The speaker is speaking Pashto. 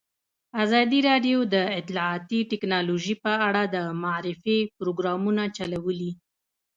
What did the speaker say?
ازادي راډیو د اطلاعاتی تکنالوژي په اړه د معارفې پروګرامونه چلولي.